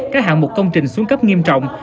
các hạng mục công trình xuống cấp nghiêm trọng